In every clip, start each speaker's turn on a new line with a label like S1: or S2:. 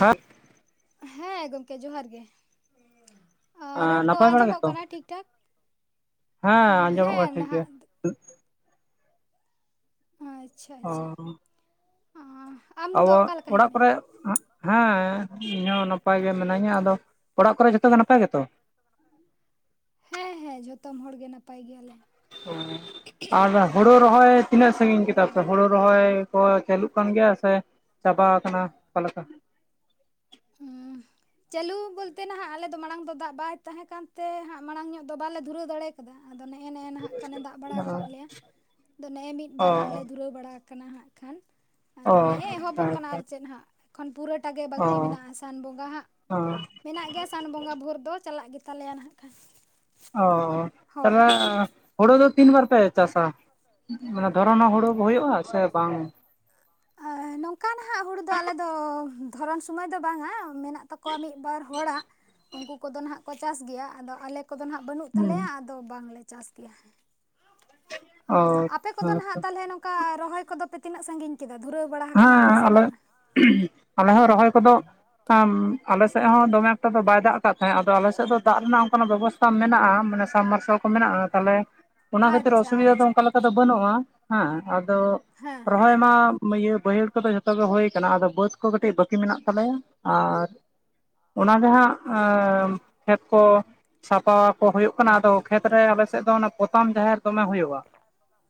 S1: ᱦᱮᱸ
S2: ᱦᱮᱸ ᱜᱚᱝᱠᱮ ᱡᱚᱸᱦᱟᱨ ᱜᱮ᱾ ᱨᱚᱲ ᱠᱚ
S1: ᱱᱟᱯᱟᱭ ᱵᱟᱲᱟ
S2: ᱟᱸᱡᱚᱢᱚᱜ
S1: ᱜᱮᱛᱚ
S2: ᱠᱟᱱᱟ ᱴᱷᱤᱠ ᱴᱷᱟᱠ
S1: ᱦᱮᱸ ᱟᱸᱡᱚᱢᱚᱜ ᱠᱟᱱᱟ
S2: ᱦᱮᱸ
S1: ᱴᱷᱤᱠ
S2: ᱱᱟᱦᱟᱜ
S1: [unintelligible]
S2: ᱟᱪᱪᱷᱟ
S1: ᱚ
S2: ᱟᱪᱪᱷᱟ᱾ ᱟᱢ ᱫᱚ
S1: ᱟᱵᱚ
S2: ᱚᱠᱟ ᱞᱮᱠᱟ
S1: ᱚᱲᱟᱜ
S2: ᱦᱮᱱᱟᱜ ᱢᱮᱭᱟ
S1: ᱠᱚᱨᱮ ᱦᱮᱸ ᱤᱧᱦᱚᱸ ᱱᱟᱯᱟᱭ ᱜᱮ ᱢᱤᱱᱟᱹᱧᱟ ᱟᱫᱚ ᱚᱲᱟᱜ ᱠᱚᱨᱮ ᱡᱷᱚᱛᱚ ᱜᱮ ᱱᱟᱯᱟᱭ ᱜᱮᱛᱚ᱾
S2: ᱦᱮᱸ ᱦᱮᱸ ᱡᱷᱚᱛᱚᱢ ᱦᱚᱲ ᱜᱮ ᱱᱟᱯᱟᱭ ᱜᱮᱭᱟᱞᱮ᱾
S1: [unintelligible] ᱟᱨ ᱦᱳᱲᱳ ᱨᱚᱦᱚᱭ ᱛᱤᱱᱟᱹᱜ ᱥᱟᱺᱜᱤᱧ ᱠᱮᱫᱟᱯᱮ ᱦᱳᱲᱳ ᱨᱚᱦᱚᱭ ᱠᱚ ᱪᱟᱹᱞᱩᱜ ᱠᱟᱱ ᱜᱮᱭᱟ ᱥᱮ ᱪᱟᱵᱟᱣ ᱠᱟᱱᱟ ᱚᱠᱟ ᱞᱮᱠᱟ?
S2: ᱦᱩᱸ ᱪᱟᱹᱞᱩ ᱵᱚᱞᱛᱮ ᱱᱟᱦᱟᱸᱜ ᱟᱞᱮ ᱫᱚ ᱢᱟᱲᱟᱝ ᱫᱚ ᱫᱟᱜ ᱵᱟᱭ ᱛᱟᱦᱮᱸ ᱠᱟᱱᱛᱮ ᱦᱟᱸᱜ ᱢᱟᱲᱟᱝ ᱧᱚᱜ ᱫᱚ ᱵᱟᱞᱮ ᱫᱷᱩᱨᱟᱹᱣ ᱫᱟᱲᱮ᱾ ᱠᱟᱫᱟ ᱟᱫᱚ ᱱᱮᱜᱼᱮ ᱱᱮᱜᱼᱮ ᱱᱟᱦᱟᱸᱜ ᱠᱷᱟᱱᱮ ᱫᱟᱜ ᱵᱟᱲᱟ ᱟᱠᱟᱫ ᱞᱮᱭᱟ ᱟᱫᱚ ᱱᱮᱜᱼᱮ ᱢᱤᱫ
S1: ᱚ
S2: ᱵᱟᱨ ᱦᱟᱸᱜ ᱞᱮ ᱫᱷᱩᱨᱟᱹᱣ ᱵᱟᱲᱟ ᱠᱟᱱᱟ ᱦᱟᱸᱜ ᱠᱷᱟᱱ
S1: ᱚ
S2: ᱟᱫᱚ ᱱᱮᱜᱼᱮ ᱮᱦᱚᱵᱚᱜ ᱠᱟᱱᱟ
S1: ᱟᱪᱪᱷᱟ
S2: ᱟᱨ ᱪᱮᱫ ᱦᱟᱸᱜ ᱮᱠᱷᱚᱱ ᱯᱩᱨᱟᱹᱴᱟ ᱜᱮ
S1: ᱚ
S2: ᱵᱟᱹᱠᱤ ᱢᱮᱱᱟᱜᱼᱟᱥ ᱥᱟᱱ ᱵᱚᱸᱜᱟ ᱦᱟᱸᱜ
S1: ᱚ
S2: ᱢᱮᱱᱟᱜ ᱜᱮᱭᱟ ᱥᱟᱱ ᱵᱚᱸᱜᱟ ᱵᱷᱳᱨ ᱫᱚ ᱪᱟᱞᱟᱜ ᱜᱮᱛᱟᱞᱮᱭᱟ ᱱᱟᱦᱟᱜ ᱠᱷᱟᱱ᱾
S1: ᱚ
S2: ᱦᱳᱭ
S1: ᱛᱟᱞᱦᱮ
S2: ᱦᱳᱭ
S1: ᱦᱳᱲᱳ ᱫᱚ ᱛᱤᱱ ᱵᱟᱨ ᱯᱮ ᱪᱟᱥᱟ ᱢᱟᱱᱮ ᱫᱷᱚᱨᱚᱱ ᱦᱩᱲᱩ ᱦᱳᱭᱳᱜᱼᱟ ᱥᱮ ᱵᱟᱝ?
S2: ᱚᱱᱠᱟ ᱱᱟᱦᱜ ᱦᱩᱲᱩ ᱫᱚ ᱟᱞᱮ ᱫᱚ ᱫᱷᱚᱨᱚᱱ ᱥᱚᱢᱚᱭ ᱫᱚ ᱵᱟᱝᱟ ᱢᱮᱱᱟᱜ ᱛᱟᱠᱚᱣᱟ ᱢᱤᱫ ᱵᱟᱨ ᱦᱚᱲᱟᱜ᱾ ᱩᱱᱠᱩ ᱠᱚᱫᱚ ᱱᱟᱦᱜ ᱠᱚ ᱪᱟᱥ ᱜᱮᱭᱟ ᱟᱫᱚ ᱟᱞᱮ ᱠᱚᱫᱚ ᱦᱟᱸᱜ ᱵᱟᱹᱱᱩᱜ
S1: ᱦᱩᱸ
S2: ᱛᱟᱞᱮᱭᱟ ᱵᱟᱝᱞᱮ ᱪᱟᱥ ᱜᱮᱭᱟ᱾ ᱟ
S1: ᱚ
S2: ᱟᱯᱮ ᱠᱚᱫᱚ
S1: ᱦᱮᱸ ᱛᱚ
S2: ᱱᱟᱦᱜ ᱛᱟᱞᱦᱮ ᱱᱚᱝ ᱠᱟ ᱨᱚᱦᱚᱭ ᱠᱚᱫᱚ ᱯᱮ ᱛᱤᱱᱟᱹᱜ ᱥᱟᱺᱜᱤᱧ ᱠᱮᱫᱟ ᱫᱷᱩᱨᱟᱹᱣ ᱵᱟᱲᱟ ᱟᱠᱟᱱᱟ
S1: ᱦᱮᱸ
S2: ᱯᱮ ᱥᱮ
S1: ᱟᱞᱮ
S2: ᱵᱟᱝᱟ?
S1: ᱟᱞᱮ ᱦᱚᱸ ᱨᱚᱦᱚᱭ ᱠᱚᱫᱚ ᱟᱞᱮᱥᱮᱜ ᱦᱚᱸ ᱫᱚᱢᱮ ᱮᱠᱴᱟ ᱫᱚ ᱵᱟᱭ ᱫᱟᱜ ᱠᱟᱜ ᱛᱟᱦᱮᱸᱫ ᱟᱫᱚ ᱟᱞᱮᱥᱮᱫ ᱫᱚ ᱫᱟᱜ ᱨᱮᱱᱟᱜ ᱚᱱᱠᱟᱱᱟᱜ ᱵᱮᱵᱚᱥ ᱛᱟ ᱢᱮᱱᱟᱜᱼᱟ ᱢᱟᱱᱮ ᱥᱟᱢ ᱢᱟᱨᱥᱟᱞ᱾ ᱢᱮᱱᱟᱜᱼᱟ ᱛᱟᱦᱞᱮ ᱚᱱᱟ ᱠᱷᱟᱹᱛᱤᱨ
S2: ᱟᱪᱪᱷᱟ
S1: ᱚᱥᱩᱵᱤᱫᱟ ᱫᱚ
S2: ᱟᱪᱪᱷᱟ
S1: ᱚᱱᱠᱟ ᱞᱮᱠᱟ ᱫᱚ
S2: ᱟᱪᱪᱷᱟ
S1: ᱵᱟᱹᱱᱩᱜᱼᱟ ᱦᱮᱸ ᱟᱫᱚ
S2: ᱦᱮᱸ ᱦᱮᱸ
S1: ᱨᱚᱦᱚᱭ ᱢᱟ ᱤᱭᱟᱹ ᱵᱟᱹᱭᱦᱟᱹᱲ ᱠᱚᱫᱚ ᱡᱷᱚᱛᱚ ᱜᱮ ᱦᱳᱭ ᱠᱟᱱᱟ ᱟᱫᱚ ᱵᱟᱹᱫᱽ ᱠᱚ ᱠᱟᱹᱴᱤᱡ ᱵᱟᱹᱠᱤ ᱢᱮᱱᱟᱜ ᱛᱟᱞᱮᱭᱟ ᱟᱨ ᱚᱱᱟ ᱜᱮ ᱦᱟᱸᱜ ᱠᱷᱮᱛ ᱠᱚ ᱥᱟᱯᱟ ᱠᱚ ᱦᱩᱭᱩᱜ ᱠᱟᱱᱟ ᱟᱫᱚ ᱠᱷᱮᱛ ᱨᱮ ᱟᱞᱮᱥᱮᱫ ᱫᱚ ᱯᱚᱛᱟᱢ ᱡᱟᱦᱮᱨ ᱫᱚᱢᱮ ᱦᱳᱭᱳᱜᱼᱟ᱾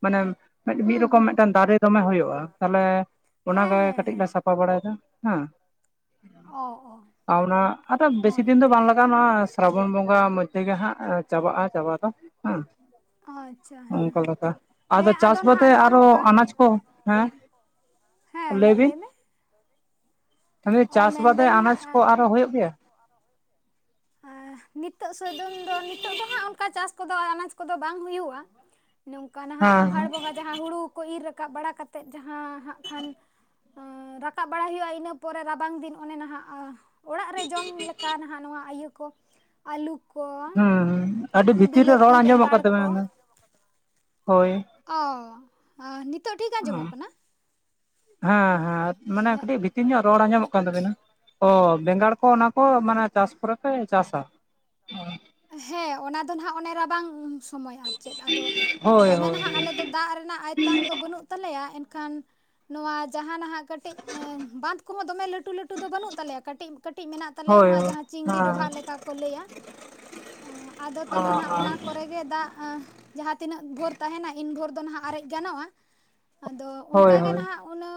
S1: ᱢᱟᱱᱮ ᱢᱤᱫ
S2: ᱦᱩᱸ
S1: ᱨᱚᱠᱚᱢ
S2: ᱦᱩᱸ
S1: ᱢᱤᱫᱴᱮᱱ
S2: ᱦᱩᱸ
S1: ᱫᱟᱨᱮ ᱫᱚᱢᱮ ᱦᱳᱭᱳᱜᱼᱟ ᱛᱟᱦᱞᱮ
S2: ᱦᱮᱸ
S1: ᱚᱱᱟᱜᱮ
S2: ᱦᱮᱸ
S1: ᱠᱟᱹᱴᱤᱡ ᱞᱮ
S2: ᱦᱮᱸ
S1: ᱥᱟᱯᱟ ᱵᱟᱲᱟᱭᱫᱟ ᱦᱮᱸ᱾
S2: ᱚ ᱚ
S1: ᱟᱨ ᱚᱱᱟ ᱟᱫᱚ ᱵᱮᱥᱤ
S2: ᱦᱳᱭ
S1: ᱫᱤᱱ ᱫᱚ
S2: ᱛᱚ
S1: ᱵᱟᱝ ᱞᱟᱜᱟᱜᱼᱟ ᱱᱚᱣᱟ ᱥᱨᱟᱵᱚᱱ ᱵᱚᱸᱜᱟ ᱢᱚᱭᱫᱷᱮ ᱜᱮ ᱦᱟᱸᱜ ᱪᱟᱵᱟᱜᱼᱟ ᱪᱟᱵᱟ ᱫᱚ ᱦᱮᱸ᱾
S2: ᱟᱪᱪᱷᱟ ᱦᱮᱸ
S1: ᱚᱝᱠᱟ ᱞᱮᱠᱟ
S2: ᱦᱮᱸ
S1: ᱟᱫᱚ ᱪᱟᱥ
S2: ᱱᱟᱦᱟᱜ
S1: ᱵᱟᱫᱮ
S2: ᱱᱚᱜᱼᱚ
S1: ᱟᱨᱚ
S2: ᱱᱚᱝᱠᱟ
S1: ᱟᱱᱟᱡ ᱠᱚ ᱦᱮᱸ᱾
S2: ᱦᱮᱸ ᱦᱮᱸ ᱞᱟᱹᱭ ᱢᱮ᱾ ᱚ
S1: ᱪᱟᱥ ᱵᱟᱫᱮ
S2: ᱢᱮᱱᱫᱟᱹᱧ
S1: ᱟᱱᱟᱡ
S2: ᱱᱟᱦᱟᱜ
S1: ᱠᱚ ᱟᱨᱚ ᱦᱳᱭᱳᱜ ᱜᱮᱭᱟ?
S2: ᱟᱨ ᱱᱤᱛᱚᱜ ᱥᱳᱭᱫᱚᱢ ᱫᱚ ᱱᱤᱛᱚᱜ ᱫᱚ ᱦᱟᱸᱜ ᱚᱱᱠᱟ ᱪᱟᱥ ᱠᱚᱫᱚ ᱟᱱᱟᱡ ᱠᱚᱫᱚ ᱵᱟᱝ ᱦᱩᱭᱩᱜᱼᱟ᱾ ᱱᱚᱝᱠᱟ ᱱᱟ ᱦᱟᱸᱜ
S1: ᱦᱮᱸ
S2: ᱟᱸᱜᱷᱟᱬ ᱵᱚᱸᱜᱟ ᱡᱟᱦᱟᱸ ᱦᱩᱲᱩ ᱠᱚ ᱤᱨ ᱨᱟᱠᱟᱵ ᱵᱟᱲᱟ ᱠᱟᱛᱮᱫ ᱡᱟᱦᱟᱸ ᱦᱟᱸᱜ ᱠᱷᱟᱱ ᱨᱟᱠᱟᱵ ᱵᱟᱲᱟᱭ ᱦᱩᱭᱩᱜᱼᱟ ᱤᱱᱟᱹ ᱯᱚᱨᱮ ᱨᱟᱵᱟᱝ ᱫᱤᱱ ᱚᱱᱮ ᱱᱟᱦᱟᱜ ᱚᱲᱟᱜ ᱨᱮ ᱡᱚᱢ ᱞᱮᱠᱟ ᱱᱟᱦᱟᱜ ᱱᱚᱣᱟ ᱤᱭᱟᱹ ᱠᱚ ᱟᱹᱞᱩ ᱠᱚ᱾
S1: ᱟ. ᱰᱤ ᱵᱷᱤᱛᱤᱨ ᱨᱮ ᱨᱚᱲ
S2: ᱵᱤᱞᱟᱹᱛᱤ
S1: ᱟᱸᱡᱚᱢᱚᱜ
S2: ᱵᱮᱸᱜᱟᱲ
S1: ᱠᱟᱱ ᱛᱟᱵᱤᱱᱟ ᱟᱫᱚ ᱦᱳᱭ᱾
S2: ᱚᱻᱟ ᱱᱤᱛᱚᱜ ᱴᱷᱤᱠ ᱟᱸᱡᱚᱢᱚᱜ ᱠᱟᱱᱟ?
S1: ᱦᱮᱸ ᱦᱮᱸ ᱢᱟᱱᱮ ᱠᱟᱹᱴᱤᱡ ᱵᱷᱤᱛᱤᱨ ᱧᱚᱜ ᱨᱚᱲ ᱟᱸᱡᱚᱢᱚᱜ ᱠᱟᱱ ᱛᱟᱵᱤᱱᱟ᱾ ᱚ ᱵᱮᱸᱜᱟᱲ ᱠᱚ ᱚᱱᱟ ᱠᱚ ᱢᱟᱱᱮ ᱪᱟᱥ ᱯᱚᱨᱮ ᱯᱮ ᱪᱟᱥᱟ?
S2: ᱦᱮᱸ ᱚᱱᱟ ᱫᱚ ᱱᱦᱟᱸᱜ ᱚᱱᱮ ᱨᱟᱵᱟᱝ ᱥᱚᱢᱚᱭ ᱦᱟᱜ᱾ ᱪᱮᱫ ᱟᱫᱚ
S1: ᱦᱳᱭ
S2: ᱫᱚᱢᱮ ᱱᱟᱦᱟᱜ ᱟᱞᱮ
S1: ᱦᱳᱭ
S2: ᱫᱚ ᱫᱟᱜ ᱨᱮᱱᱟᱜ ᱟᱭᱛᱟᱱ ᱫᱚ ᱵᱟᱹᱱᱩᱜ᱾ ᱛᱟᱞᱮᱭᱟ ᱮᱱᱠᱷᱟᱱ ᱱᱚᱣᱟ ᱡᱟᱦᱟᱸ ᱱᱟᱦᱟᱜ ᱠᱟᱹᱴᱤᱡ ᱮᱸᱵᱟᱸᱫᱷ ᱠᱚᱦᱚᱸ ᱫᱚᱢᱮ ᱞᱟᱹᱴᱩ ᱞᱟᱹᱴᱩ ᱫᱚ ᱵᱟᱹᱱᱩᱜ ᱛᱟᱞᱮᱭᱟ ᱠᱟᱹᱴᱤᱡ ᱠᱟᱹᱴᱤᱡ ᱢᱮᱱᱟᱜ ᱛᱟᱞᱮᱭᱟ
S1: ᱦᱳᱭ ᱦᱳᱭ
S2: ᱱᱚᱣᱟ ᱡᱟᱦᱟᱸ ᱪᱤᱝᱲᱤ ᱰᱚᱵᱷᱟᱜ ᱞᱮᱠᱟ᱾ ᱠᱚ ᱞᱟᱹᱭ-ᱟ᱾
S1: [unintelligible]
S2: ᱟᱫᱚ ᱛᱟᱦᱚᱞᱮ ᱱᱟᱜ ᱚᱱᱟ
S1: ᱦᱮᱸ
S2: ᱠᱚᱨᱮᱜ ᱜᱮ ᱫᱟᱜ ᱡᱟᱦᱟᱸ ᱛᱤᱱᱟᱹᱜ ᱵᱷᱳᱨ ᱛᱟᱦᱮᱱᱟ ᱤᱱ ᱵᱷᱳᱨ ᱫᱚ ᱱᱟᱦᱟᱜ ᱟᱨᱮᱡ ᱜᱟᱱᱚᱜ-ᱟ ᱟᱫᱚ
S1: ᱦᱳᱭ
S2: ᱚᱱᱠᱟᱜ ᱜᱮ
S1: ᱦᱳᱭ
S2: ᱱᱟᱦᱟᱜ ᱚᱱᱟ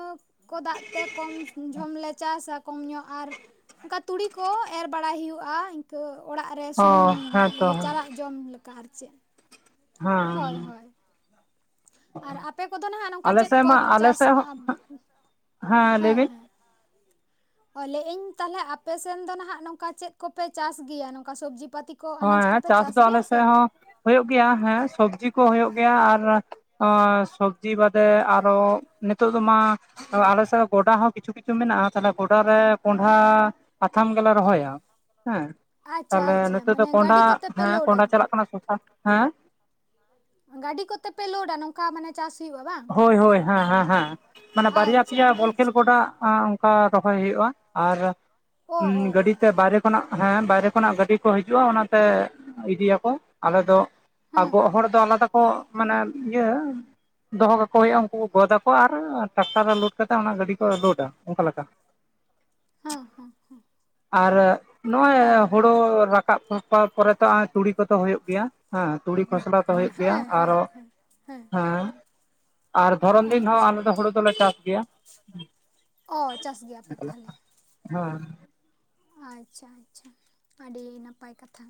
S2: ᱠᱚ ᱫᱟᱜ ᱛᱮ ᱠᱚᱢ ᱡᱚᱢᱞᱮ ᱪᱟᱥᱟ ᱠᱚᱢ ᱧᱚᱜ ᱟᱨ ᱚᱱᱠᱟ ᱛᱩᱲᱤ ᱠᱚ ᱮᱨ ᱵᱟᱲᱟᱭ ᱦᱩᱭᱩᱜ-ᱟ ᱤᱱᱠᱟᱹ ᱚᱲᱟᱜ ᱨᱮ᱾ ᱥᱩᱱᱩᱢ
S1: ᱚ ᱦᱮᱸᱛᱚ
S2: ᱤᱭᱟᱹ ᱪᱟᱞᱟᱜ ᱡᱚᱢ ᱞᱮᱠᱟ ᱟᱨ ᱪᱮᱫ᱾ ᱦᱳᱭ
S1: ᱦᱮᱸ᱾
S2: ᱦᱳᱭ ᱟᱨ ᱟᱯᱮ ᱠᱚᱫᱚ ᱱᱟᱜ ᱱᱚᱝᱠᱟ
S1: ᱟᱞᱮ
S2: ᱪᱮᱫ
S1: ᱥᱮᱫ
S2: ᱠᱚ
S1: ᱢᱟ ᱟᱞᱮ
S2: ᱪᱟᱥᱼᱟ?
S1: ᱥᱮᱫ ᱦᱚᱸ ᱦᱮᱸ ᱞᱟᱹᱭ ᱵᱤᱱ᱾
S2: ᱚᱞᱮ ᱤᱧ ᱛᱟᱦᱚᱞᱮ ᱟᱯᱮ ᱥᱮᱱ ᱫᱚ ᱱᱟᱦᱟᱜ ᱱᱚᱝᱠᱟ ᱪᱮᱫ ᱠᱚᱯᱮ ᱪᱟᱥ ᱜᱮᱭᱟ ᱱᱚᱝᱠᱟ ᱥᱚᱵᱽᱡᱤ ᱯᱟᱹᱛᱤ? ᱠᱚ ᱟᱱᱟᱡᱽ
S1: ᱦᱮ
S2: ᱠᱚᱯᱮ
S1: ᱪᱟᱥ ᱫᱚ ᱟᱞᱮ
S2: ᱜᱮᱭᱟ ᱥᱮ
S1: ᱥᱮᱫ ᱦᱚᱸ ᱦᱩᱭᱩᱜ ᱜᱮᱭᱟ ᱦᱮᱸ ᱥᱚᱵᱡᱤ ᱠᱚ ᱦᱩᱭᱩᱜ ᱜᱮᱭᱟ ᱟᱨ ᱚᱸᱥᱚᱵᱡᱤ ᱵᱟᱫᱮ ᱟᱨᱚ ᱱᱤᱛᱚᱜ ᱫᱚ ᱢᱟ ᱟᱞᱮ ᱥᱮᱫ ᱜᱚᱰᱟ ᱦᱚᱸ ᱠᱤᱪᱷᱩ ᱠᱤᱪᱷᱩ ᱢᱮᱱᱟᱜᱼᱟ ᱛᱟᱦᱚᱞᱮ ᱜᱚᱰᱟ ᱨᱮ ᱠᱚᱸᱰᱷᱟ ᱟᱛᱷᱟᱢ ᱜᱮᱞᱮ ᱨᱚᱦᱚᱭᱟ ᱦᱮᱸ᱾
S2: ᱟᱪᱪᱷᱟ ᱟᱪᱪᱷᱟ ᱢᱟᱱᱮ ᱜᱟᱹᱰᱤ
S1: ᱠᱚᱸᱰᱟ
S2: ᱠᱚᱛᱮ ᱯᱮ
S1: ᱦᱮᱸ
S2: ᱞᱳᱰᱟ
S1: ᱠᱚᱸᱰᱟ ᱪᱟᱞᱟᱜ ᱠᱟᱱᱟ ᱥᱚᱥᱟ ᱦᱮᱸ
S2: ᱜᱟᱹᱰᱤ ᱠᱚ ᱛᱮ ᱯᱮ ᱠᱳᱰᱟ ᱱᱚᱝ ᱠᱟ ᱢᱟᱱᱮ ᱪᱟᱥ ᱦᱩᱭᱩᱜ-ᱟ ᱵᱟᱝ?
S1: ᱦᱳᱭ ᱦᱳᱭ ᱦᱮᱸ ᱦᱮᱸ ᱦᱮᱸ ᱢᱟᱱᱮ ᱵᱟᱨᱭᱟ,
S2: ᱟᱪᱪᱷᱟ
S1: ᱯᱮᱭᱟ ᱵᱚᱞ ᱠᱷᱮᱞ
S2: ᱟᱪᱪᱷᱟ
S1: ᱜᱚᱰᱟ ᱟᱸ ᱚᱝᱠᱟ ᱨᱚᱦᱚᱭ ᱦᱩᱭᱩᱜ-ᱟ ᱟᱨ
S2: ᱚ ᱚ ᱚ
S1: ᱜᱟᱹᱰᱤ ᱛᱮ ᱵᱟᱭᱨᱮ ᱠᱷᱚᱱᱟᱜ ᱦᱮᱸ ᱵᱟᱭᱨᱮ ᱠᱷᱚᱱᱟᱜ ᱜᱟᱹᱰᱤ ᱠᱚ ᱦᱤᱡᱩᱜ-ᱟ ᱚᱱᱟᱛᱮ ᱤᱫᱤᱭᱟᱠᱚ ᱟᱞᱮ ᱫᱚ ᱟ
S2: ᱦᱮᱸ
S1: ᱜᱚᱜ ᱦᱚᱲ
S2: ᱦᱮᱸ
S1: ᱫᱚ ᱚᱱᱟᱫᱚ ᱠᱚ ᱢᱟᱱᱮ ᱤᱭᱟᱹ ᱫᱚᱦᱚ ᱟᱠᱚ ᱦᱩᱭᱩᱜ-ᱟ ᱩᱱᱠᱩ ᱜᱚᱫᱟ ᱟᱨ ᱴᱟᱠᱴᱟᱨ ᱨᱮ ᱞᱳᱰ ᱠᱟᱛᱮᱫ ᱚᱱᱟ ᱜᱟᱹᱰᱤ ᱠᱚ ᱞᱳᱰ ᱚᱱᱠᱟ ᱞᱮᱠᱟ
S2: ᱦᱮᱸ ᱦᱮᱸ ᱦᱮᱸ᱾
S1: ᱟᱨ ᱱᱚᱜ-ᱚᱭ ᱦᱳᱲᱳ ᱨᱟᱠᱟᱵ [unintelligible] ᱯᱚᱨᱮ ᱛᱚ ᱦᱚᱜ-ᱚᱭ ᱛᱩᱲᱤ ᱠᱚ ᱛᱚ ᱦᱩᱭᱩᱜ ᱜᱮᱭᱟ ᱦᱮᱸ ᱛᱩᱲᱤ ᱠᱷᱚᱥᱞᱟ ᱠᱚ ᱦᱩᱭᱩᱜ ᱜᱮᱭᱟ
S2: ᱦᱮᱸ
S1: ᱟᱨᱚ
S2: ᱦᱮᱸ ᱦᱮᱸ
S1: ᱦᱮᱸ ᱟᱨ ᱫᱷᱚᱨᱚᱱ ᱫᱤᱱ ᱦᱚᱸ
S2: ᱟᱪᱪᱷᱟ
S1: ᱟᱞᱮ ᱫᱚ ᱦᱩᱲᱩ ᱫᱚᱞᱮ ᱪᱟᱥ ᱜᱮᱭᱟ᱾
S2: ᱚ ᱪᱟᱥ ᱜᱮᱭᱟᱯᱮ ᱛᱟᱦᱚᱞᱮ᱾
S1: ᱦᱮᱸ᱾
S2: ᱟᱪᱪᱷᱟ ᱟᱪᱪᱷᱟ ᱟᱹᱰᱤ ᱱᱟᱯᱟᱭ ᱠᱟᱛᱷᱟ᱾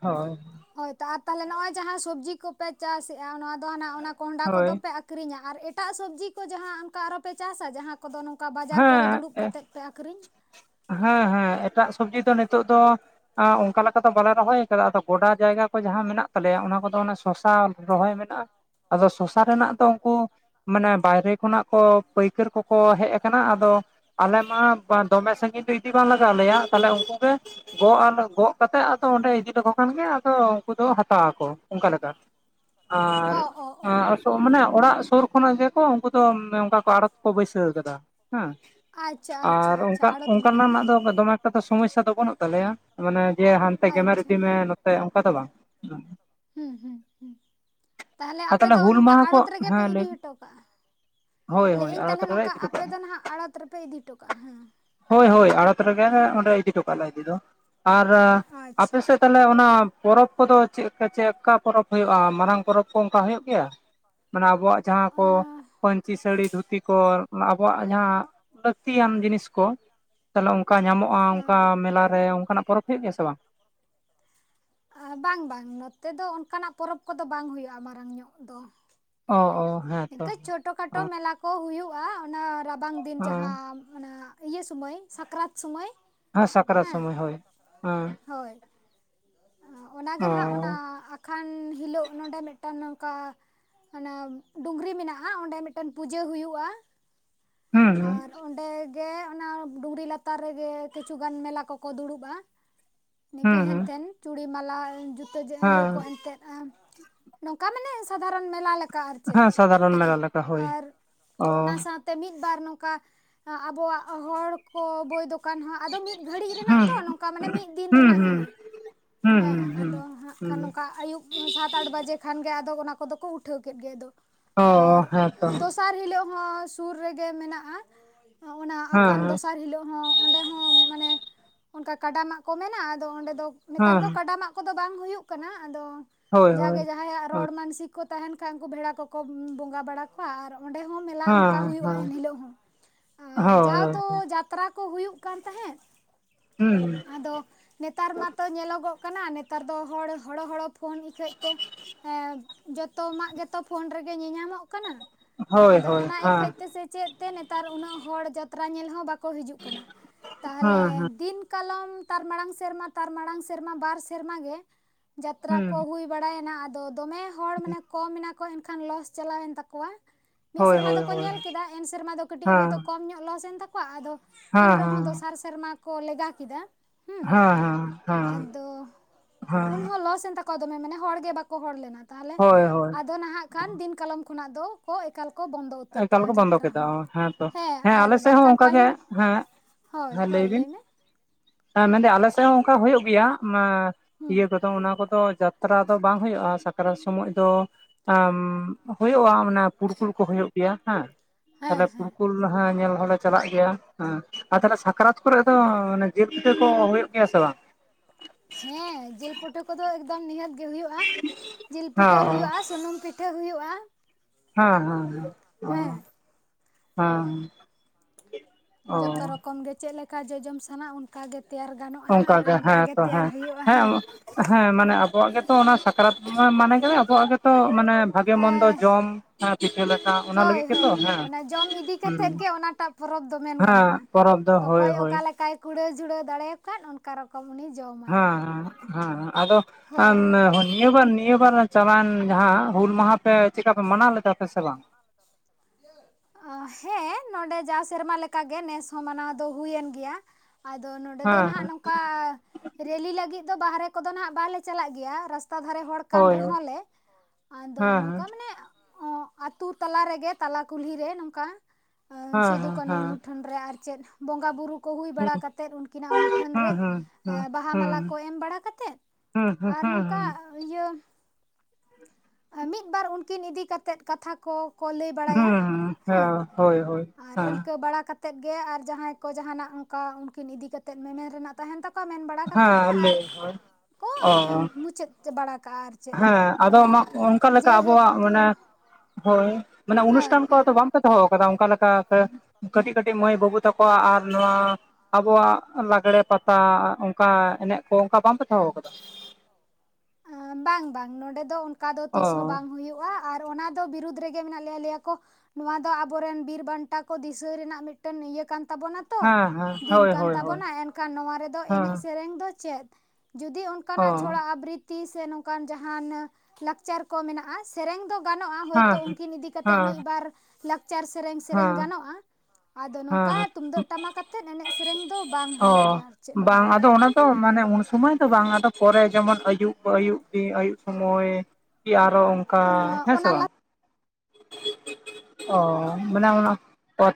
S1: ᱦᱳᱭ᱾
S2: ᱦᱳᱭᱛᱚ ᱟᱨ ᱛᱟᱞᱦᱮ ᱱᱚᱜ-ᱚᱭ ᱡᱟᱦᱟᱸ ᱥᱚᱵᱽᱡᱤ ᱠᱚᱯᱮ ᱪᱟᱥᱮᱜ-ᱟ ᱱᱚᱣᱟ ᱫᱚ ᱦᱟᱱᱟ ᱚᱱᱟ ᱠᱚᱸᱦᱰᱟ ᱠᱚᱫᱚ
S1: ᱦᱳᱭ
S2: ᱯᱮ ᱟᱹᱠ ᱟᱹᱠᱷᱨᱤᱧᱟ ᱟᱨ ᱮᱴᱟᱜ ᱥᱚᱵᱽᱡᱤ ᱠᱚ ᱡᱟᱦᱟᱸ ᱚᱱᱠᱟ ᱟᱨᱚᱯᱮ ᱪᱟᱥ-ᱟ ᱡᱟᱦᱟᱸ ᱠᱚᱫᱚ ᱱᱚᱝᱠᱟ ᱵᱟᱡᱟᱨ ᱠᱚᱨᱮ
S1: ᱦᱮᱸ
S2: ᱫᱩᱲᱩᱵ ᱠᱟᱛᱮᱜ ᱯᱮ ᱟᱠᱷᱨᱤᱧ?
S1: ᱦᱮᱸ ᱦᱮᱸ ᱮᱴᱟᱜ ᱥᱚᱵᱽᱡᱤ ᱫᱚ ᱱᱤᱛᱚᱜ ᱫᱚ ᱮᱸ ᱚᱱᱠᱟ ᱞᱮᱠᱟ ᱫᱚ ᱵᱟᱞᱮ ᱨᱚᱦᱚᱭ ᱟᱠᱟᱫᱟ ᱟᱫᱚ ᱜᱚᱰᱟ ᱡᱟᱭᱜᱟ ᱠᱚ ᱡᱟᱦᱟᱸ ᱢᱮᱱᱟᱜ ᱛᱟᱞᱮᱭᱟ ᱚᱱᱟ ᱠᱚᱫᱚ ᱚᱱᱮ ᱥᱚᱥᱟ ᱨᱚᱦᱚᱭ ᱢᱮᱱᱟᱜ-ᱟ᱾ ᱟᱫᱚ ᱥᱚᱥᱟ ᱨᱮᱱᱟᱜ ᱫᱚ ᱩᱱᱠᱩ ᱢᱟᱱᱮ ᱵᱟᱭᱨᱮ ᱠᱷᱚᱱᱟᱜ ᱠᱚ ᱯᱟᱹᱭᱠᱟᱹᱨ ᱠᱚᱠᱚ ᱦᱮ ᱠᱟᱱᱟ ᱟᱫᱚ ᱟᱞᱮᱢᱟ ᱵᱟ ᱫᱚᱢᱮ ᱥᱟᱺᱜᱤᱧ ᱫᱚ ᱤᱫᱤ ᱵᱟᱝ ᱞᱟᱜᱟᱣ ᱞᱮᱭᱟ ᱛᱟᱦᱚᱞᱮ ᱩᱱᱠᱩ ᱜᱮ ᱜᱚᱜ ᱟᱱᱮ ᱜᱚᱜ ᱠᱟᱛᱮᱜ ᱟᱫᱚ ᱚᱸᱰᱮ ᱤᱫᱤ ᱞᱮᱠᱚ ᱠᱷᱟᱱ ᱜᱮ ᱟᱫᱚ ᱩᱱᱠᱩ ᱫᱚ ᱦᱟᱛᱟᱣᱟ ᱟᱠᱚ ᱚᱱᱠᱟᱮ ᱞᱮᱠᱟ᱾ ᱟᱨ
S2: ᱚ ᱚ ᱚ
S1: [unintelligible] ᱛᱚ ᱢᱟᱱᱮ ᱚᱲᱟᱜ ᱥᱩᱨ ᱠᱷᱚᱱᱟᱜ ᱜᱮᱠᱚ ᱩᱱᱠᱩ ᱫᱚ ᱚᱱᱠᱟ ᱠᱚ ᱟᱲᱚᱛ ᱠᱚ ᱵᱟᱹᱭᱥᱟᱹᱣ ᱟᱠᱟᱫᱟ ᱦᱮᱸ᱾
S2: ᱟᱪᱪᱷᱟ ᱟᱪᱪᱷᱟ
S1: ᱟᱨ
S2: ᱟᱪᱪᱷᱟ
S1: ᱚᱱᱠᱟ
S2: ᱟᱲᱚᱛ
S1: ᱚᱱᱠᱟᱱᱟᱜ
S2: ᱢᱮᱱᱟᱜᱼᱟ
S1: ᱢᱟᱜ ᱫᱚ ᱫᱚᱢᱮ ᱚᱱᱠᱟ ᱫᱚ ᱥᱚᱢᱚᱥᱭᱟ ᱫᱚ ᱵᱟᱹᱱᱩᱜ ᱛᱟᱞᱮᱭᱟ, ᱢᱟᱱᱮ ᱡᱮ ᱦᱟᱱᱛᱮ ᱜᱮᱢᱮᱨ
S2: ᱟᱪᱪᱷᱟ
S1: ᱤᱫᱤ ᱢᱮ ᱱᱚᱛᱮ ᱚᱱᱠᱟ ᱫᱚ ᱵᱟᱝ᱾
S2: ᱦᱩᱸ ᱦᱩᱸ ᱦᱩᱸ ᱛᱟᱦᱚᱞᱮ
S1: ᱟᱨ
S2: ᱟᱯᱮ ᱫᱚ
S1: ᱦᱩᱞ
S2: ᱚᱱᱚᱠᱟ
S1: ᱢᱟᱦᱟ ᱠᱚ
S2: ᱟᱲᱚᱛ ᱨᱮᱜᱮ ᱯᱮ
S1: ᱦᱮᱸ
S2: ᱤᱫᱤ
S1: ᱞᱟᱹᱭ
S2: ᱦᱚᱴᱚ ᱠᱟᱜ-ᱟ᱾
S1: ᱦᱳᱭ ᱦᱳᱭ
S2: ᱞᱟᱹᱭᱮᱜ ᱟᱹᱧ
S1: ᱟᱲᱚᱛ
S2: ᱛᱟᱦᱚᱞᱮ
S1: ᱨᱮᱞᱮ
S2: ᱱᱚᱝᱠᱟ
S1: ᱤᱫᱤ ᱦᱚᱴᱚ
S2: ᱟᱯᱮ
S1: ᱠᱟᱜᱼᱟ
S2: ᱫᱚ ᱱᱟᱦᱟᱸᱜ ᱟᱲᱚᱛ ᱨᱮᱯᱮ ᱤᱫᱤ ᱴᱚ ᱠᱟᱜ-ᱟ ᱦᱟᱸ᱾
S1: ᱦᱳᱭ ᱦᱳᱭ ᱟᱲᱚᱛ ᱨᱮᱜᱮᱞᱮ ᱚᱸᱰᱮ ᱤᱫᱤ ᱦᱚᱴᱚ ᱠᱟᱜ ᱞᱮ ᱤᱫᱤ ᱫᱚ ᱟᱨ
S2: ᱟᱪᱪᱷᱟ
S1: ᱟᱯᱮᱥᱮᱫ ᱛᱟᱦᱚᱞᱮ ᱚᱱᱟ ᱯᱚᱨᱚᱵᱽ ᱠᱚᱫᱚ ᱪᱮᱜᱠᱟ ᱪᱮᱜᱠᱟ ᱯᱚᱨᱚᱵᱽ ᱦᱩᱭᱩᱜ-ᱟ, ᱢᱟᱨᱟᱝ ᱯᱚᱨᱚᱵᱽ ᱠᱚ ᱚᱱᱠᱟ ᱦᱩᱭᱩᱜ ᱜᱮᱭᱟ? ᱢᱟᱱᱮ ᱟᱵᱚᱣᱟᱜ ᱡᱟᱦᱟᱸ ᱠᱚ
S2: ᱚᱸ
S1: ᱯᱟᱹᱧᱪᱤ ᱥᱟᱹᱲᱤ, ᱫᱷᱩᱛᱤ ᱠᱚ ᱚᱱᱟ ᱟᱵᱚᱣᱟᱜ ᱡᱟᱦᱟᱸ ᱞᱟᱹᱠᱛᱤᱭᱟᱱ ᱡᱤᱱᱤᱥ ᱠᱚ᱾ ᱛᱟᱦᱚᱞᱮ ᱚᱱᱠᱟ ᱧᱟᱢᱚᱜ-ᱟ ᱚᱱᱠᱟ ᱢᱮᱞᱟᱨᱮ ᱚᱱᱠᱟᱱᱟᱜ ᱯᱚᱨᱚᱵᱽ ᱦᱩᱭᱩᱜ ᱜᱮᱭᱟ ᱥᱮ ᱵᱟᱝ?
S2: ᱟᱸ ᱵᱟᱝ ᱵᱟᱝ ᱱᱚᱛᱮ ᱫᱚ ᱚᱱᱠᱟᱱᱟᱜ ᱯᱚᱨᱚᱵᱽ ᱠᱚᱫᱚ ᱵᱟᱝ ᱦᱩᱭᱩᱜ-ᱟ ᱢᱟᱨᱟᱝ ᱧᱚᱜ ᱫᱚ᱾
S1: ᱚ ᱚ᱾ ᱦᱮᱸ ᱛᱚ
S2: ᱱᱤᱝᱠᱟᱹ ᱪᱷᱳᱴᱳ ᱠᱷᱟᱴᱳ
S1: ᱚ
S2: ᱢᱮᱞᱟ ᱠᱚ ᱦᱩᱭᱩᱜ-ᱟ ᱚᱱᱟ ᱨᱟᱵᱟᱝ ᱫᱤᱱ
S1: ᱦᱮᱸ
S2: ᱡᱟᱦᱟᱸ ᱚᱱᱟ ᱤᱭᱟᱹ ᱥᱚᱢᱚᱭ ᱥᱟᱠᱨᱟᱛ ᱥᱚᱢᱚᱭ᱾
S1: ᱦᱮᱸ ᱥᱟᱠᱨᱟᱛ ᱥᱚᱢᱚᱭ ᱦᱳᱭ ᱦᱮᱸ᱾ ᱚ
S2: ᱚᱱᱟᱜᱮᱱ ᱦᱟᱸᱜ ᱚᱱᱟ ᱟᱠᱷᱟᱱ ᱦᱤᱞᱳᱜ ᱱᱚᱸᱰᱮ ᱢᱤᱫᱴᱟᱱ ᱱᱚᱝᱠᱟ [unintelligible] ᱰᱩᱝᱨᱤ ᱢᱮᱱᱟᱜ-ᱟ ᱚᱸᱰᱮ ᱢᱤᱫᱴᱮᱱ ᱯᱩᱡᱟᱹ ᱦᱩᱭᱩᱜ-ᱟ᱾
S1: ᱦᱩᱸ ᱦᱩᱸ
S2: ᱟᱨ ᱚᱸᱰᱮ ᱜᱮ ᱚᱱᱟ ᱰᱩᱝᱨᱤ ᱞᱟᱛᱟᱨ ᱨᱮᱜᱮ ᱠᱤᱪᱷᱩ ᱜᱟᱱ ᱢᱮᱞᱟ ᱠᱚᱠᱚ ᱫᱩᱲᱩᱵ-ᱟ᱾ ᱱᱤᱝᱠᱟᱹ
S1: ᱦᱩᱸ ᱦᱩᱸ
S2: ᱦᱮᱱᱛᱮᱱ ᱪᱩᱲᱤ, ᱢᱟᱞᱟ, ᱡᱩᱛᱟᱹ ᱤᱭᱟᱹ
S1: ᱦᱮᱸ
S2: ᱠᱚ ᱮᱱᱛᱮᱜ-ᱟᱸ᱾ ᱱᱚᱝᱠᱟ ᱢᱟᱱᱮ ᱥᱟᱫᱷᱟᱨᱚᱱ ᱢᱮᱞᱟ ᱞᱮᱠᱟ ᱟᱨ ᱪᱮᱫ
S1: ᱦᱮᱸ ᱥᱟᱫᱷᱟᱨᱚᱱ ᱢᱮᱞᱟ ᱞᱮᱠᱟ ᱦᱳᱭ
S2: ᱟᱨ
S1: ᱚ
S2: ᱚᱱᱟ ᱥᱟᱶ ᱛᱮ ᱢᱤᱫ ᱵᱟᱨ ᱱᱚᱝᱠᱟ ᱟᱵᱚᱣᱟᱜ ᱦᱚᱲ ᱠᱚ ᱵᱳᱭ ᱫᱚ ᱠᱟᱱ ᱦᱚᱸ ᱟᱫᱚ ᱢᱤᱫ ᱜᱷᱟᱹᱲᱤᱡ ᱨᱮᱱᱟᱜ
S1: ᱦᱩᱸ
S2: ᱛᱚ ᱱᱚᱝᱠᱟ ᱢᱟᱱᱮ ᱢᱤᱫ ᱫᱤᱱ
S1: ᱦᱩᱸ
S2: ᱨᱮᱱᱟᱜ
S1: ᱦᱩᱸ
S2: ᱤᱭᱟᱹ
S1: ᱦᱩᱸ
S2: ᱦᱮᱸ
S1: ᱦᱩᱸ ᱦᱩᱸ
S2: ᱟᱫᱚ ᱦᱟᱸᱜ ᱠᱷᱟᱱ
S1: ᱦᱩᱸ
S2: ᱱᱚᱝᱠᱟ ᱟᱹᱭᱩᱵ ᱥᱟᱛ ᱟᱴ ᱵᱟᱡᱮ ᱠᱷᱟᱱ ᱜᱮ ᱟᱫᱚ ᱚᱱᱟ ᱠᱚ ᱫᱚ ᱠᱚ ᱩᱴᱷᱟᱹᱣ ᱠᱮᱫ ᱜᱮ ᱟᱫᱚ ᱾
S1: ᱚᱻ ᱦᱮᱸ ᱛᱚ ᱾
S2: ᱥᱟᱨ ᱦᱤᱞᱳᱜ ᱦᱚᱸ ᱥᱩᱨ ᱨᱮ ᱜᱮ ᱢᱮᱱᱟᱜᱼᱟ, ᱚᱱᱟ
S1: ᱦᱮᱸ
S2: ᱟᱠᱷᱟᱱ
S1: ᱦᱮᱸ
S2: ᱫᱚᱥᱟᱨ ᱦᱤᱞᱳᱜ ᱦᱚᱸ ᱚᱸᱰᱮ ᱦᱚᱸ ᱢᱟᱱᱮ ᱚᱱᱠᱟ ᱠᱟᱰᱟ ᱢᱟᱜ ᱠᱚ ᱢᱮᱱᱟ ᱟᱫᱚ ᱚᱸᱰᱮ ᱫᱚ ᱱᱮᱛᱟᱨ
S1: ᱦᱮᱸ
S2: ᱫᱚ ᱠᱟᱰᱟ ᱢᱟᱜ ᱾ ᱠᱚ ᱫᱚ ᱵᱟᱝ ᱦᱩᱭᱩᱜ ᱠᱟᱱᱟ ᱟᱫᱚ
S1: ᱦᱳᱭ ᱦᱳᱭ
S2: ᱡᱟᱜᱮ ᱡᱟᱦᱟᱸᱭᱟᱜ
S1: ᱦᱮᱸ
S2: ᱨᱚᱲ ᱢᱟᱱᱥᱤ ᱾ ᱠᱚ ᱛᱟᱦᱮᱱ ᱠᱷᱟᱱ ᱩᱱᱠᱩ ᱵᱷᱮᱲᱟ ᱠᱚ ᱠᱚ ᱵᱚᱸᱜᱟ ᱵᱟᱲᱟ ᱠᱚᱣᱟ ᱟᱨ ᱚᱸᱰᱮ ᱦᱚᱸ ᱢᱮᱞᱟ
S1: ᱦᱮᱸ
S2: ᱚᱝᱠᱟ ᱦᱩᱭᱩᱜᱼᱟ᱾
S1: ᱦᱮᱸ
S2: ᱮᱱᱦᱤᱞᱳᱜ ᱦᱚᱸ ᱟᱨ
S1: ᱦᱳᱭ
S2: ᱡᱟᱣ
S1: ᱦᱳᱭ
S2: ᱫᱚ ᱡᱟᱛᱨᱟ ᱠᱚ ᱦᱩᱭᱩᱜ ᱠᱟᱱ ᱛᱟᱦᱮᱸᱫ
S1: ᱦᱩᱸ
S2: ᱾ ᱟᱫᱚ, ᱱᱮᱛᱟᱨ ᱢᱟᱛᱚ ᱧᱮᱞᱚᱜᱚᱜ ᱠᱟᱱᱟ ᱱᱮᱛᱟᱨ ᱫᱚ ᱦᱚᱲ ᱦᱚᱲᱚ ᱦᱚᱲᱚ ᱯᱷᱳᱱ ᱦᱚᱛᱮᱡ ᱛᱮ᱾ ᱦᱮᱸ, ᱡᱚᱛᱚ ᱢᱟᱜ ᱜᱮ ᱛᱚ ᱯᱷᱳᱱ ᱨᱮ ᱜᱮ ᱧᱮᱞ ᱧᱟᱢᱚᱜ ᱠᱟᱱᱟ᱾
S1: ᱦᱳᱭ
S2: ᱟᱫᱚ
S1: ᱦᱳᱭ
S2: ᱚᱱᱟ
S1: ᱦᱮᱸ
S2: ᱤᱠᱷᱟᱹᱡ ᱛᱮ ᱥᱮ ᱪᱮᱫ ᱛᱮ ᱱᱮᱛᱟᱨ ᱩᱱᱟᱹᱜ ᱦᱚᱲ ᱡᱟᱛᱨᱟ ᱧᱮᱞ ᱦᱚᱸ ᱵᱟᱠᱚ ᱠᱚ ᱦᱤᱡᱩᱜ ᱠᱟᱱᱟ ᱛᱟᱦᱚᱞᱮ
S1: ᱦᱮᱸ ᱦᱮᱸ
S2: ᱫᱤᱱ ᱾ ᱠᱟᱞᱚᱢ ᱛᱟᱨ ᱢᱟᱲᱟᱝ ᱥᱮᱨᱢᱟ ᱛᱟᱨ ᱢᱟᱲᱟᱝ ᱥᱮᱨᱢᱟ ᱵᱟᱨ ᱥᱮᱨᱢᱟ ᱜᱮ ᱡᱟᱛᱨᱟ
S1: ᱦᱩᱸ
S2: ᱠᱚ ᱦᱩᱭ ᱵᱟᱲᱟᱭᱮᱱᱟ ᱟᱫᱚ ᱫᱚᱢᱮ ᱦᱚᱲ ᱢᱟᱱᱮ ᱠᱚᱢ ᱮᱱᱟ ᱠᱚ ᱮᱱᱠᱷᱟᱱ ᱞᱚᱥ ᱪᱟᱞᱟᱣᱮᱱ ᱛᱟᱠᱚᱣᱟ ᱾ ᱢᱤᱫ
S1: ᱦᱳᱭ
S2: ᱥᱮᱨᱢᱟ
S1: ᱦᱳᱭ
S2: ᱫᱚ ᱠᱚ
S1: ᱦᱳᱭ
S2: ᱧᱮᱞ ᱠᱮᱫᱟ ᱮᱱ ᱥᱮᱨᱢᱟ ᱫᱚ ᱠᱟᱹᱴᱤᱡ ᱦᱚᱭ
S1: ᱦᱮᱸ
S2: ᱛᱳ ᱠᱚᱢ ᱧᱚᱜ ᱞᱚᱥ ᱮᱱ ᱛᱟᱠᱚᱣᱟ ᱟᱫᱚ ᱮᱱ
S1: ᱦᱮᱸ ᱦᱮᱸ
S2: ᱨᱮᱦᱚᱸ
S1: ᱦᱮᱸ
S2: ᱫᱚᱥᱟᱨ ᱥᱮ ᱥᱮᱨᱢᱟ ᱠᱚ ᱞᱮᱜᱟ ᱠᱮᱫᱟ ᱾ ᱦᱩᱸ,
S1: ᱦᱮᱸ ᱦᱮᱸ
S2: ᱟᱫᱚ
S1: ᱦᱮᱸ
S2: ᱩᱱ ᱦᱚ ᱞᱚᱥ ᱮᱱ ᱛᱟᱠᱚᱲ ᱠᱚ ᱫᱚᱢᱮ ᱢᱟᱱᱮ ᱦᱚᱲ ᱜᱮ ᱵᱟᱠᱚ ᱦᱚᱲ ᱞᱮᱱᱟ ᱛᱟᱦᱚᱞᱮ
S1: ᱦᱳᱭ ᱦᱳᱭ
S2: ᱟᱫᱚ ᱱᱟᱦᱟᱜ ᱠᱷᱟᱱ ᱫᱤᱱ ᱠᱟᱞᱚᱢ ᱠᱷᱚᱱᱟᱜ ᱫᱚ ᱠᱚ ᱮᱠᱟᱞ ᱠᱚ ᱵᱚᱱᱫᱚ ᱩᱛᱟᱹᱨ
S1: ᱮᱠᱟᱞ
S2: ᱠᱮᱫᱼᱟ
S1: ᱠᱚ ᱵᱚᱱᱫᱚ
S2: ᱡᱟᱛᱨᱟ ᱦᱚᱸ
S1: ᱠᱮᱫᱟ, ᱦᱮᱸ ᱛᱚ ᱦᱮᱸ
S2: ᱟᱨ
S1: ᱟᱞᱮ ᱥᱮᱫ ᱦᱚᱸ
S2: ᱵᱟᱝᱠᱷᱟᱱ
S1: ᱚᱝᱠᱟᱜ ᱜᱮ
S2: ᱯᱟᱹᱦᱤᱞ
S1: ᱦᱮᱸ,
S2: ᱦᱳᱭ
S1: ᱦᱮᱸ
S2: ᱦᱳᱭ
S1: ᱞᱟᱹᱭ ᱵᱤᱱ?
S2: ᱢᱮ
S1: ᱦᱮᱸ, ᱢᱮᱱᱫᱟᱹᱧ ᱟᱞᱮ ᱥᱮᱫ ᱦᱚᱸ ᱚᱝᱠᱟ ᱦᱳᱭᱳᱜ ᱜᱮᱭᱟ
S2: ᱦᱩᱸ
S1: ᱤᱭᱟᱹ ᱠᱚ ᱟᱫᱚ ᱚᱱᱟ ᱠᱚ ᱫᱚ ᱡᱟᱛᱨᱟ ᱫᱚ ᱵᱟᱝ ᱦᱳᱭᱳᱜᱼᱟ ᱥᱟᱠᱨᱟᱛ ᱥᱚᱢᱚᱭ ᱫᱚ ᱾ ᱮᱢ ᱦᱳᱭᱳᱜᱼᱟ ᱚᱱᱟ ᱯᱩᱨᱠᱩᱞ ᱠᱚ ᱦᱳᱭᱳᱜ᱾ ᱭᱟ ᱦᱮᱸ,
S2: ᱦᱮᱸ
S1: ᱛᱟᱦᱞᱮ
S2: ᱦᱮᱸ
S1: ᱯᱩᱨᱠᱩᱞ ᱧᱮᱞ ᱦᱚᱸᱞᱮ᱾ ᱪᱟᱞᱟᱜ ᱜᱮᱭᱟ ᱦᱮᱸ ᱟᱨ ᱛᱟᱦᱚᱞᱮ ᱥᱟᱠᱨᱟᱛ ᱠᱚᱨᱮ ᱫᱚ ᱡᱤᱞ ᱯᱤᱴᱟᱹ ᱠᱚ ᱦᱩᱭᱩᱜ ᱜᱮᱭᱟ ᱥᱮ ᱵᱟᱝ?
S2: ᱦᱮᱸ ᱡᱤᱞ ᱯᱤᱴᱷᱟᱹ ᱠᱚ ᱫᱚ ᱮᱠᱫᱚᱢ ᱱᱤᱦᱟᱹᱛ ᱜᱮ ᱦᱩᱭᱩᱜᱼᱟ, ᱡᱤᱞ ᱯᱤᱴᱷᱟᱹ ᱦᱩᱭᱩᱜᱼᱟ,
S1: ᱦᱮᱸ
S2: ᱥᱩᱱᱩᱢ ᱯᱤ ᱯᱤᱴᱷᱟᱹ ᱦᱩᱭᱩᱜᱼᱟ ᱾
S1: ᱦᱮᱸ ᱦᱮᱸ ᱚᱸ ᱦᱮᱸ, ᱚ
S2: ᱡᱚᱛᱚ ᱨᱚᱠᱚᱢ ᱜᱮ ᱪᱮᱫ ᱞᱮᱠᱟ ᱡᱚᱡᱚᱢ ᱥᱟᱱᱟ ᱚᱱᱠᱟᱜᱮ ᱛᱮᱭᱟᱨ ᱜᱟᱱᱚᱜᱼᱟ
S1: ᱚᱱᱠᱟ
S2: ᱟᱨ
S1: ᱜᱮ ᱦᱮᱸ
S2: ᱚᱱᱠᱟᱜᱮ
S1: ᱛᱚ
S2: ᱛᱮᱭᱟᱨ
S1: ᱦᱮᱸ
S2: ᱦᱳᱭᱳᱜᱼᱟ ᱦᱮᱸ,
S1: ᱦᱮᱸ ᱢᱟᱱᱮ ᱟᱵᱚᱣᱟᱜ ᱜᱮ ᱛᱚ ᱚᱱᱟ ᱥᱟᱠᱨᱟᱛ ᱢᱟᱱᱮ ᱜᱮ ᱟᱵᱚᱣᱟᱜ ᱫᱚ ᱛᱚ ᱢᱟᱱᱮ ᱵᱷᱟᱜᱮ ᱢᱚᱱᱫᱚ
S2: ᱮᱸ
S1: ᱡᱚᱢ ᱯᱤᱴᱷᱟᱹ ᱞᱟᱴᱷᱟ ᱚᱱᱟ
S2: ᱦᱳᱭ
S1: ᱞᱟᱹᱜᱤᱫ ᱜᱮ ᱛᱚ,
S2: ᱦᱳᱭ
S1: ᱦᱮᱸ
S2: ᱚᱱᱟ ᱡᱚᱢ ᱤᱫᱤ
S1: ᱦᱩ
S2: ᱠᱟᱛᱮᱫ ᱜᱮ ᱚᱱᱟᱴᱟᱜ ᱯᱚᱨᱚᱵᱽ ᱫᱚ ᱢᱮᱱ
S1: ᱦᱮᱸ
S2: ᱜᱟᱱᱚᱜᱼᱟ
S1: ᱯᱚᱨᱚᱵᱽ ᱫᱚ, ᱦᱳᱭ
S2: ᱚᱠᱚᱭ
S1: ᱦᱳᱭ
S2: ᱚᱠᱟ ᱞᱮᱠᱟᱭ ᱠᱩᱲᱟᱹᱣ ᱡᱷᱩᱲᱟᱹᱣ ᱫᱟᱲᱮᱣ ᱟᱠᱟᱫ ᱩᱱ ᱠᱟ ᱨᱚᱠᱚᱢ ᱢᱟᱱᱮᱭᱟ ᱡᱚᱢᱼᱼ
S1: ᱦᱮᱸ ᱦᱮᱸ ᱦᱮᱸ, ᱟᱫᱚ
S2: ᱦᱳᱭ
S1: ᱟᱱ
S2: ᱦᱳᱭ
S1: ᱦᱚᱸ ᱱᱤᱭᱟᱹ ᱵᱟᱱ ᱱᱤᱭᱟᱹ ᱵᱟᱨ ᱪᱟᱞᱟᱣᱮᱱ ᱡᱟᱦᱟᱸ ᱦᱩᱞ ᱢᱟᱦᱟ ᱯᱮ ᱪᱮᱫᱠᱟ ᱯᱮ ᱢᱟᱱᱟᱣ ᱞᱮᱫᱟ ᱯᱮ ᱥᱮ ᱵᱟᱝ?
S2: [unintelligible] ᱦᱮᱸ, ᱱᱚᱰᱮ ᱡᱟᱣ ᱥᱮᱨᱢᱟ ᱞᱮᱠᱟ ᱜᱮ ᱱᱮᱥ ᱦᱚᱸ ᱢᱟᱱᱟᱣ ᱫᱚ ᱦᱩᱭᱮᱱ ᱜᱮᱭᱟ ᱾ ᱟᱫᱚ ᱱᱚᱸᱰᱮ ᱫᱚ
S1: ᱦᱮᱸ
S2: ᱱᱟᱦᱟᱜ
S1: ᱦᱮᱸ
S2: ᱱᱚᱝᱠᱟ ᱨᱮᱞᱤ ᱞᱟᱹᱜᱤᱫ ᱫᱚ ᱵᱟᱦᱨᱮ ᱠᱚ ᱫᱚ ᱱᱟᱦᱟᱜ ᱵᱟᱞᱮ ᱪᱟᱞᱟᱜ ᱜᱮᱭᱟ ᱨᱟᱥᱛᱟ ᱫᱷᱟᱨᱮ ᱦᱚᱲ ᱠᱟᱱ
S1: ᱦᱳᱭ
S2: ᱨᱮ
S1: ᱦᱳᱭ
S2: ᱦᱚᱸ ᱞᱮ ᱟᱫᱚ
S1: ᱦᱮᱸ ᱦᱮᱸ
S2: ᱱᱚᱝᱠᱟ ᱢᱟᱱᱮ ᱟᱛᱩ ᱛᱟᱞᱟ ᱨᱮ ᱜᱮ ᱛᱟᱞᱟ ᱠᱩᱞᱦᱤ ᱨᱮ ᱱᱚᱝᱠᱟ
S1: ᱦᱮᱸ
S2: ᱥᱤᱫᱩ ᱠᱟᱱᱩ
S1: ᱦᱮᱸ
S2: ᱢᱩᱴᱷᱟᱹᱱ ᱨᱮ ᱟᱨ ᱪᱮᱫ ᱵᱚᱸᱜᱟ ᱵᱩᱨᱩ ᱠᱚ ᱦᱩᱭ ᱵᱟᱲᱟ ᱠᱟᱛᱮᱫ ᱩᱱᱠᱤᱱᱟᱜ ᱢᱩᱴᱷᱟᱹᱱ
S1: ᱦᱮᱸ
S2: ᱨᱮᱼᱼ
S1: ᱦᱮᱸ ᱦᱮᱸ ᱦᱮᱸ ᱦᱮᱸ
S2: ᱵᱟᱦᱟ ᱢᱟᱞᱟ ᱠᱚ ᱮᱢ ᱵᱟᱲᱟ ᱠᱟᱛᱮᱫ ᱟᱨ
S1: ᱦᱮᱸ
S2: ᱱᱚᱝᱠᱟ ᱤᱭᱟᱹᱼᱼ ᱢᱤᱫ ᱵᱟᱨ ᱩᱱᱠᱤᱱ ᱤᱫᱤ ᱠᱟᱛᱮᱫ ᱠᱟᱛᱷᱟ ᱠᱚ ᱠᱚ ᱞᱟᱹᱭ
S1: ᱦᱮᱸ
S2: ᱵᱟᱲᱟᱭᱟ
S1: ᱦᱮᱸ
S2: ᱦᱮᱸ᱾
S1: ᱦᱳᱭ ᱦᱳᱭ᱾
S2: ᱟᱨ
S1: ᱦᱮᱸ
S2: ᱤᱱᱠᱟᱹ ᱵᱟᱲᱟ ᱠᱟᱛᱮᱫ ᱜᱮ ᱟᱨ ᱡᱟᱦᱟᱸᱭ ᱠᱚ ᱡᱟᱦᱟᱱᱟᱜ ᱚᱱᱠᱟ ᱩᱱᱠᱤᱱ ᱤᱫᱤ ᱠᱟᱛᱮᱫ ᱢᱮᱢᱮᱱ ᱨᱮᱱᱟᱜ ᱛᱟᱦᱮᱱ ᱛᱟᱠᱚᱼᱼ ᱭᱟ ᱢᱮᱱ ᱵᱟᱲᱟ ᱠᱟᱛᱮᱫ ᱜᱮ
S1: ᱦᱮᱸ
S2: ᱟᱨ
S1: ᱞᱟᱹᱭ ᱦᱳᱭ
S2: ᱠᱚ
S1: ᱚ
S2: ᱢᱩᱪᱟᱹᱫ ᱵᱟᱲᱟ ᱠᱟᱜᱼᱟ ᱟᱨᱼᱼ
S1: ᱦᱮᱸ ᱟᱫᱚ ᱚᱱᱟ ᱚᱱᱠᱟ ᱞᱮᱠᱟ ᱟᱵᱚᱣᱟᱜ
S2: ᱡᱮᱦᱮᱛᱩ
S1: ᱢᱟᱱᱮ ᱦᱳᱭ ᱢᱟᱱᱮ
S2: ᱦᱮᱸ
S1: ᱚᱱᱩᱥᱴᱷᱟᱱ ᱠᱚ ᱛᱚ
S2: ᱦᱮᱸ
S1: ᱵᱟᱝᱼᱼ ᱯᱮ ᱫᱚᱦᱚ ᱠᱟᱫᱟ ᱚᱱᱠᱟ ᱞᱮᱠᱟ ᱛᱮ ᱠᱟᱹᱴᱤᱡ ᱠᱟᱹᱴᱤᱡ ᱢᱟᱹᱭ ᱵᱟᱹᱵᱩ ᱛᱟᱠᱚᱣᱟ ᱟᱨ ᱱᱚᱣᱟᱼᱼ ᱟᱵᱚᱣᱟᱜ ᱞᱟᱜᱽᱲᱮ ᱯᱟᱛᱟ ᱚᱱᱠᱟ ᱮᱱᱮᱡ ᱠᱚ ᱚᱱᱠᱟ ᱵᱟᱝ ᱯᱮ ᱫᱚᱦᱚ ᱠᱟᱫᱟ?
S2: ᱵᱟᱝ ᱵᱟᱝ ᱱᱚᱸᱰᱮ ᱫᱚ ᱚᱱᱠᱟ ᱫᱚ
S1: ᱚ
S2: ᱛᱤᱥ ᱦᱚᱸ ᱵᱟᱝ ᱦᱩᱭᱩᱜᱼᱟ᱾ ᱟᱨ ᱚᱱᱟ ᱫᱚ ᱵᱤᱨᱩᱫᱽ ᱨᱮᱜᱮ ᱢᱮᱱᱟᱜ ᱞᱮᱭᱟ, ᱞᱮᱭ ᱟᱠᱚᱼᱼ ᱱᱚᱣᱟ ᱫᱚ ᱟᱵᱚᱨᱮᱱ ᱵᱤᱨ ᱵᱟᱱᱴᱟ ᱠᱚ ᱫᱤᱥᱟᱹ ᱨᱮᱱᱟᱜ ᱢᱤᱫᱴᱮᱱ ᱤᱭᱟᱹ ᱠᱟᱱ ᱛᱟᱵᱚᱱᱟ ᱾ ᱛᱚ
S1: ᱦᱮᱸ ᱦᱮᱸ
S2: ᱫᱤᱱ
S1: ᱦᱳᱭ
S2: ᱠᱟᱱ
S1: ᱦᱳᱭ ᱦᱳᱭ
S2: ᱛᱟᱵᱚᱱᱟ ᱮᱱᱠᱷᱟᱱ ᱱᱚᱣᱟ ᱨᱮᱫᱚ ᱮᱱᱮᱡ
S1: ᱦᱮᱸ
S2: ᱥᱮᱨᱮᱧ ᱫᱚ ᱪᱮᱫ ᱡᱩᱫᱤ ᱚᱱᱼᱼ
S1: ᱚ
S2: ᱱᱚᱝᱠᱟᱱᱟᱜ ᱪᱷᱚᱲᱟ ᱟᱵᱨᱤᱛᱤ ᱥᱮ ᱱᱚᱝᱠᱟᱱ ᱡᱟᱦᱟᱱ ᱞᱟᱠᱪᱟᱨ ᱠᱚ ᱢᱮᱱᱟᱜᱼᱟ ᱥᱮᱨᱮᱧ ᱫᱚᱼᱼ ᱜᱟᱱᱚᱜᱼᱟ ᱦᱳᱭᱛᱳ
S1: ᱦᱮᱸ
S2: ᱩᱱᱠᱤᱱ ᱤᱫᱤ ᱠᱟᱛᱮᱫ
S1: ᱦᱮᱸ
S2: ᱢᱤᱫ ᱵᱟᱨ ᱞᱟᱠᱪᱟᱨ ᱥᱮᱨᱮᱧ
S1: ᱦᱮᱸ
S2: ᱥᱮᱨᱮᱧ
S1: ᱦᱮᱸ
S2: ᱜᱟᱱᱚᱜᱼᱟ᱾ ᱟᱫᱚ
S1: ᱦᱮᱸ
S2: ᱱᱚᱝᱠᱟ ᱛᱩᱢᱫᱟᱹᱜ ᱴᱟᱢᱟᱠ ᱟᱛᱮᱫ ᱮᱱᱮᱡ ᱥᱮᱨᱮᱧ ᱫᱚ ᱵᱟᱝ ᱦᱩᱭᱩᱜ ᱜᱮᱭᱟ ᱟᱨ ᱪᱮᱫ ᱱᱚᱸᱰᱮ ᱫᱚ᱾
S1: ᱛᱚ ᱢᱟᱱᱮ ᱩᱱ ᱥᱩᱢᱚᱭ ᱫᱚ ᱵᱟᱝ ᱟᱫᱚ ᱯᱚᱨᱮ ᱡᱮᱢᱚᱱ ᱟᱹᱭᱩᱵ ᱟᱹᱭᱩᱵ ᱫᱤᱱ ᱟᱹᱭᱩᱵ ᱥᱚᱢᱚᱭᱼᱼ ᱠᱤ ᱟᱨᱚ ᱚᱱᱠᱟ ᱦᱮᱸ ᱥᱮ
S2: ᱚᱱᱟ
S1: ᱵᱟᱝᱼᱼ
S2: [inaudible]
S1: ᱚ ᱢᱟᱱᱮ ᱚᱱᱟ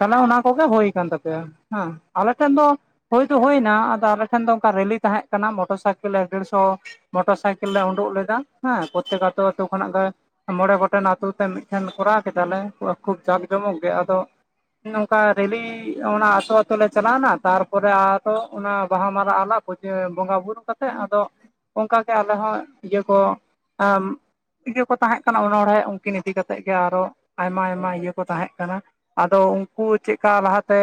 S1: ᱛᱟᱦᱞᱮ ᱚᱱᱟ ᱠᱚᱜᱮ ᱦᱳᱭ ᱠᱟᱱ ᱛᱟᱯᱮᱭᱟ ᱦᱮᱸ ᱟᱞᱮ ᱴᱷᱮᱱ ᱫᱚᱼᱼ ᱦᱳᱭᱫᱚ ᱦᱳᱭᱱᱟ ᱟᱫᱚ ᱟᱞᱮ ᱴᱷᱮᱱ ᱫᱚ ᱚᱱᱠᱟ ᱨᱮᱞᱤ ᱛᱟᱦᱮᱸ ᱠᱟᱱᱟ ᱢᱚᱴᱚᱨ ᱥᱟᱭᱠᱮᱞ ᱮᱠ ᱰᱮᱲᱥᱚ᱾ ᱢᱚᱴᱚᱨ ᱥᱟᱭᱠᱮᱞ ᱞᱮ ᱩᱰᱩᱠ ᱞᱮᱫᱟ ᱦᱮᱸ ᱯᱨᱚᱛᱛᱮᱠ ᱟᱛᱳ ᱟᱛᱳ ᱠᱷᱚᱱᱟᱜ ᱜᱮ ᱢᱚᱬᱮ ᱜᱚᱴᱮᱱ ᱟᱹᱛᱳ ᱛᱮ ᱢᱤᱫ-ᱼ ᱴᱷᱮᱱ ᱠᱚᱨᱟᱣ ᱠᱮᱫᱟᱞᱮ ᱠᱷᱩᱵ ᱡᱟᱠ ᱡᱚᱢᱚᱠ ᱜᱮ ᱟᱫᱚᱼᱼ ᱚᱱᱠᱟ ᱨᱮᱞᱤ ᱚᱱᱟ ᱟᱛᱳ ᱟᱛᱳ ᱞᱮ ᱪᱟᱞᱟᱣᱱᱟ ᱛᱟᱨᱯᱚᱨᱮ ᱟᱫᱚ ᱚᱱᱟ ᱵᱟᱦᱟ ᱢᱟᱞᱟ ᱟᱨᱟᱣᱼᱼ ᱵᱚᱸᱜᱟ ᱵᱩᱨᱩ ᱠᱟᱛᱮᱫ ᱟᱫᱚ ᱚᱱᱠᱟᱜᱮ ᱟᱞᱮ ᱦᱚᱸ ᱤᱭᱟᱹ ᱠᱚ ᱮᱼᱼ ᱤᱭᱟᱹ ᱠᱚ ᱛᱟᱦᱮᱸ ᱠᱟᱱᱟ ᱚᱱᱚᱲᱦᱮ ᱩᱱᱠᱤᱱ ᱤᱫᱤ ᱠᱟᱛᱮᱫ ᱾ ᱜᱮ ᱟᱨᱚ ᱟᱭᱢᱟ ᱟᱭᱢᱟ ᱤᱭᱟᱹ ᱠᱚ ᱛᱟᱦᱮᱸᱫ ᱠᱟᱱᱟ ᱟᱫᱚ ᱩᱱᱠᱩ ᱪᱮᱫᱠᱟ ᱞᱟᱦᱟᱛᱮᱼᱼ